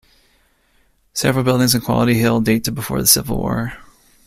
Several buildings on Quality Hill date to before the Civil War.